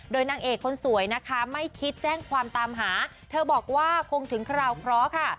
โดยนางเอกคนสวยนะคะไม่คิดแจ้งความตามหาเธอบอกว่าคงถึงคราวเคราะห์ค่ะ